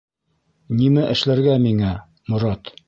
Нимә эшләргә миңә, Морат?